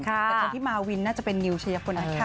แต่คนที่มาวินน่าจะเป็นนิวใช่ไหมค่ะ